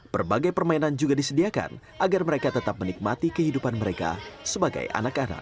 berbagai permainan juga disediakan agar mereka tetap menikmati kehidupan mereka sebagai anak anak